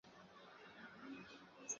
她们育有一子一女。